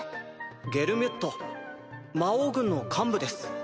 ゲルミュッド魔王軍の幹部です